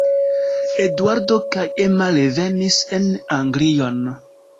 Eduardo kaj Emma revenis en Anglion.